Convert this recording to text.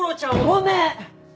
ごめん！